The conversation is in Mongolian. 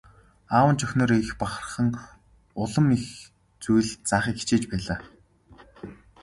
Аав нь ч охиноороо их бахархан улам их зүйл заахыг хичээж байлаа.